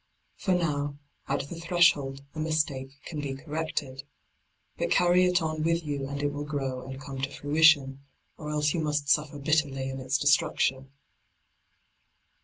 For now, at the threshold, a mistake can be corrected. But carry it on with you and it will grow and come to fruition, or else you must suffer bitterly in its destruction.